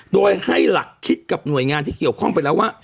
โดยให้หลักคิดกับหน่วยงานที่เกี่ยวข้องไปแล้วว่า